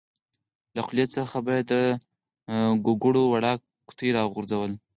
له خولې څخه به یې د ګوګړو وړه قطۍ راوغورځوله.